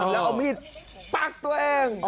แล้วเอามีดปักตัวเอง